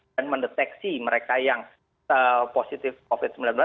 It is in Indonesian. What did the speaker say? dan mendeteksi mereka yang positif covid sembilan belas